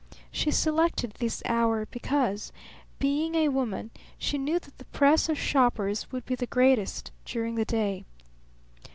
She selected this hour because, being a woman, she knew that the press of shoppers would be the greatest during the day.